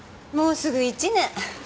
もうすぐ１年。